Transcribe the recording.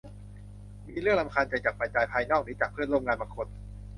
มีเรื่องรำคาญใจจากปัจจัยภายนอกหรือจากเพื่อนร่วมงานบางคน